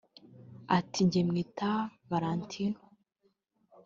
Ati “Njye mwita Valentino